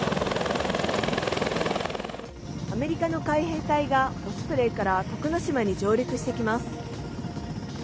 アメリカの海兵隊がオスプレイから徳之島に上陸してきました。